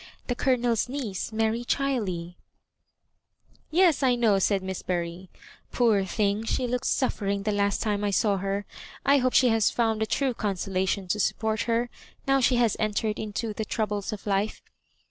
The Colonel's niece. Mary Chiley '* "Yes, I know,'* said Miss Bury. "Poor thing 1 she looked suffering the last time I saw her. I hope she has found the true consolation to support her, now she has entered into the troubles of life."